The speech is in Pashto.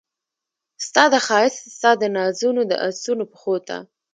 ستا د ښایست ستا دنازونو د اسونو پښو ته